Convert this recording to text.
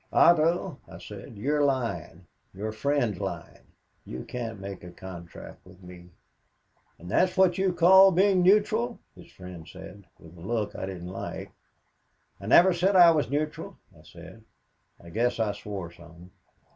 "'Otto,' I said, 'you're lying your friend is lying. You can't make a contract with me.' "'And that's what you call being neutral?' his friend said, with a look I didn't like. "'I never said I was neutral,' I said. I guess I swore some.